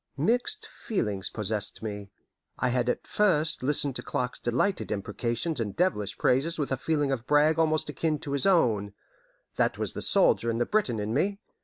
Mixed feelings possessed me. I had at first listened to Clark's delighted imprecations and devilish praises with a feeling of brag almost akin to his own that was the soldier and the Briton in me.